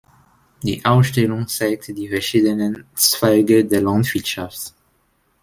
Die Ausstellung zeigt die verschiedenen Zweige der Landwirtschaft.